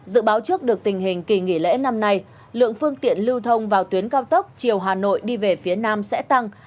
dự báo trước được tình hình kỳ nghỉ lễ năm nay lượng phương tiện lưu thông vào tuyến cao tốc chiều hà nội đi về phía nam sẽ tăng